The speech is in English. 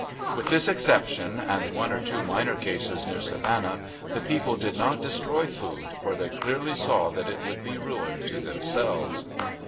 With this exception, and one or two minor cases near Savannah, the people did not destroy food, for they saw clearly that it would be ruin to themselves.